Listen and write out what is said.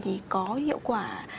thì có hiệu quả